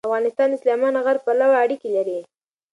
افغانستان د سلیمان غر پلوه اړیکې لري.